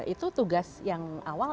itu tugas yang awal